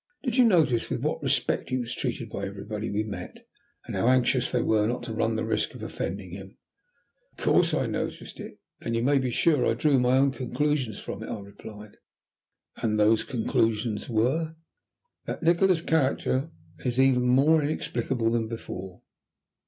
Did you notice with what respect he was treated by everybody we met, and how anxious they were not to run the risk of offending him?" "Of course I noticed it, and you may be sure I drew my own conclusions from it," I replied. "And those conclusions were?" "That Nikola's character is even more inexplicable than before."